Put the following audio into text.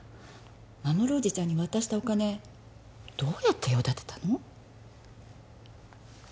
守おじちゃんに渡したお金どうやって用立てたの？